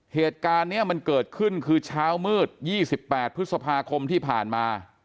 เหตุการณ์นี้มันเกิดขึ้นคือเช้ามืด๒๘พฤษภาคมที่ผ่านมา